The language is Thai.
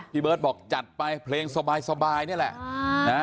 เบิร์ตบอกจัดไปเพลงสบายนี่แหละ